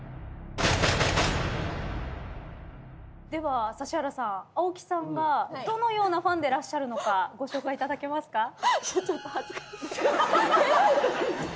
では指原さん青木さんがどのようなファンでらっしゃるのかご紹介いただけますか？